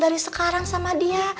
dari sekarang sama dia